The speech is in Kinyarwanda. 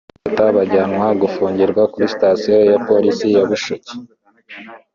barabafata bajyanwa gufungirwa kuri Sitasiyo ya Polisi ya Bushoki